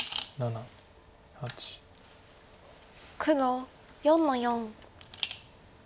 黒４の四。